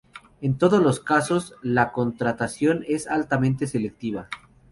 En todos los casos, la contratación es altamente selectiva.